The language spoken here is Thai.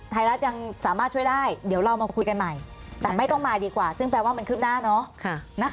ไทยรัฐยังสามารถช่วยได้เดี๋ยวเรามาคุยกันใหม่แต่ไม่ต้องมาดีกว่าซึ่งแปลว่ามันคืบหน้าเนาะ